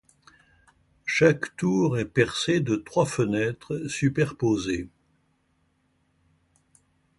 Chaque tour est percée de trois fenêtres superposées.